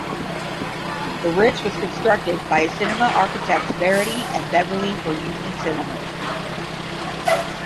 The Ritz was constructed by cinema architects Verity and Beverley for Union Cinemas.